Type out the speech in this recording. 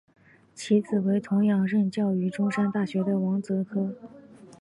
其子为同样任教于中山大学的王则柯。